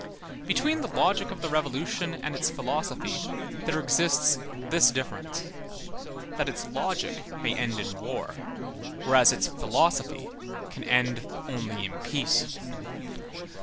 Between the logic of the Revolution and its philosophy there exists this difference—that its logic may end in war, whereas its philosophy can end only in peace.